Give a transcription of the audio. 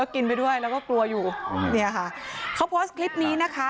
กินไปด้วยแล้วก็กลัวอยู่เนี่ยค่ะเขาโพสต์คลิปนี้นะคะ